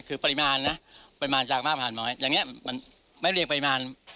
คือปริมาณนะปริมาณจากมากผ่านน้อยอย่างนี้มันไม่เรียงปริมาณ